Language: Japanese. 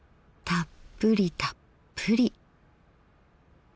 たっぷりたっぷり。